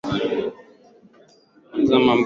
dalili za maambukizi ya virusi vya ukimwi ni nyingi sana